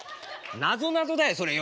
なぞなぞだよそれよ。